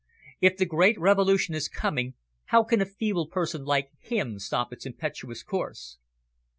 If the great Revolution is coming, how can a feeble person like him stop its impetuous course?"